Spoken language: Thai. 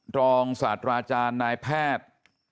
ตรองสัตว์อาจารย์นายแพทย์